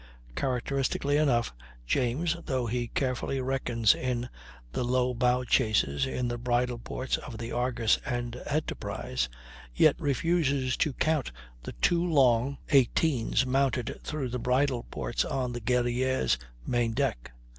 Characteristically enough, James, though he carefully reckons in the long bow chasers in the bridle ports of the Argus and Enterprise, yet refuses to count the two long eighteens mounted through the bridle ports on the Guerrière's main deck.